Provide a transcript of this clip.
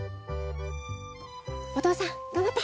お父さん頑張って！